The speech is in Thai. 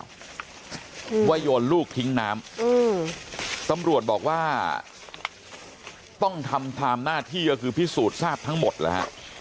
ว่าโยนลูกทิ้งน้ำอืมตำรวจบอกว่าต้องทำตามหน้าที่ก็คือพิสูจน์ทราบทั้งหมดแล้วฮะ